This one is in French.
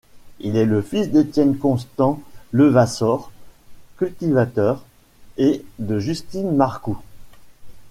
Il est le fils d'Étienne Constant Levassor, cultivateur, et de Justine Marcou.